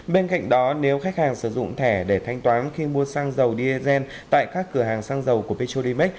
bên cạnh đó nếu khách hàng sử dụng thẻ để thanh toán khi mua xăng dầu diesel tại các cửa hàng xăng dầu của petrolimax